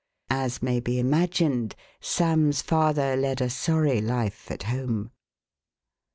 As may be imagined, Sam's father led a sorry life at home.